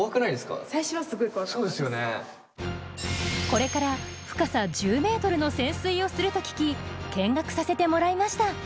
これから深さ１０ｍの潜水をすると聞き見学させてもらいました。